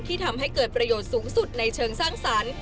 ทำให้เกิดประโยชน์สูงสุดในเชิงสร้างสรรค์